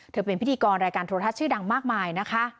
เป็นพิธีกรรายการโทรทัศน์ชื่อดังมากมายนะคะ